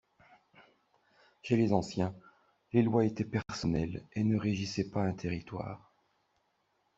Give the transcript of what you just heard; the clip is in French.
Chez les anciens, les lois étaient personnelles et ne régissaient pas un territoire.